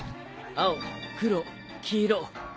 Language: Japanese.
青黒黄色。